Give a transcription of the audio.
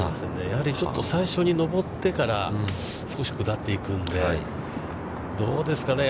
やはり、ちょっと最初に上ってから少し下っていくんで、どうですかね。